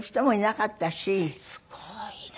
すごいな。